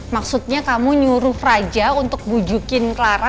maksudnya kamu nyuruh fraja untuk bujukin clara